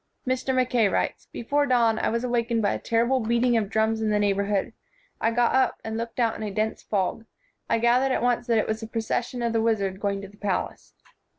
Mr. Mackay writes: "Before dawn I was awakened by a terrible beating of drums in the neighborhood. I got up, and looked out in a dense fog. I gathered at once that it was the procession of the wizard going to the palace.